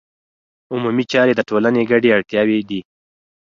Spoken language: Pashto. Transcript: عمومي چارې د ټولنې ګډې اړتیاوې دي.